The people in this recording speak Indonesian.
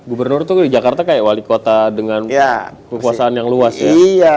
gubernur itu di jakarta kayak wali kota dengan kekuasaan yang luas ya